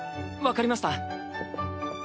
分かりました。